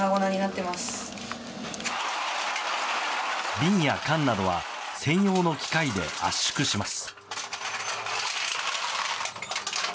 瓶や缶などは専用の機械で圧縮します。